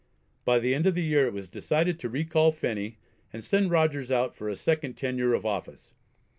By the end of the year it was decided to recall Phenney and send Rogers out for a second tenure of office.